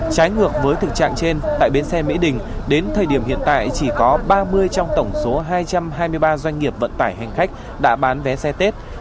trái ngược với thực trạng trên tại bến xe mỹ đình đến thời điểm hiện tại chỉ có ba mươi trong tổng số hai trăm hai mươi ba doanh nghiệp vận tải hành khách đã bán vé xe tết